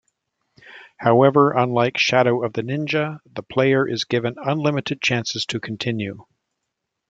However unlike "Shadow of the Ninja", the player is given unlimited chances to continue.